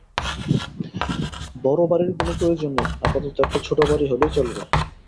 বড় বাড়ীর কোন প্রয়োজন নেই, আপাতত একটি ছোট বাড়ী হলেই চলবে।